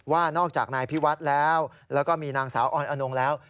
ว่านอกจากนายพิวัฒน์แล้วแล้วก็มีนางสาวออนอนงแล้ว